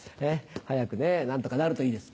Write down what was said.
早く何とかなるといいです。